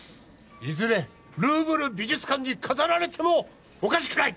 いずれルーブル美術館に飾られてもおかしくない！